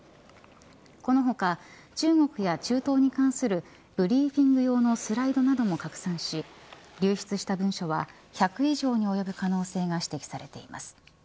この他、中国や中東に関するブリーフィング用のスライドなども拡散し流出した文書は１００以上に及ぶ可能性が指摘されています。